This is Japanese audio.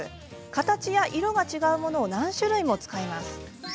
形や色が違うものを何種類も使います。